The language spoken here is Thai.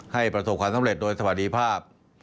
ประสบความสำเร็จโดยสวัสดีภาพ